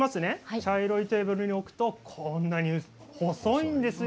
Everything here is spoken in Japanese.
茶色いテーブルに置くとこんなに細いんですよ。